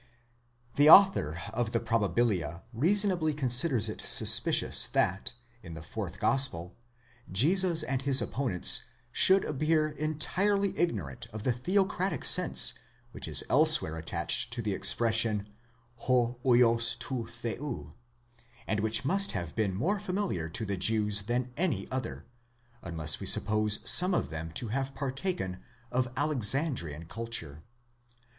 The author of the Probabilia reasonably considers it suspicious that, in the fourth gospel, Jesus and his opponents should appear entirely ignorant of the theocratic sense which is elsewhere attached to the expression ὁ vids τοῦ θεοῦ, and which must have been more familiar to the Jews than any other, unless we suppose some of them to have partaken of Alexandrian culture.